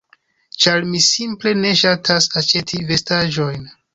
ĉar mi simple ne ŝatas aĉeti vestaĵojn.